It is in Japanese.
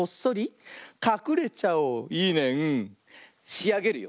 しあげるよ。